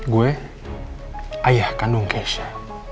gue ayah kandung keisha